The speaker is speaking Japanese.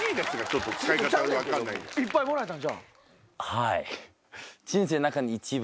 はい。